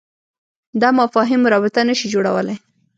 دا مفاهیم رابطه نه شي جوړولای.